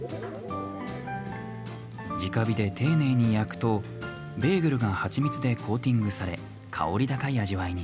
じか火で丁寧に焼くとベーグルがハチミツでコーティングされ香り高い味わいに。